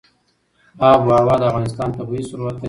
آب وهوا د افغانستان طبعي ثروت دی.